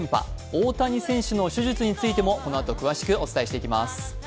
大谷選手の手術についても、このあと詳しくお伝えしていきます。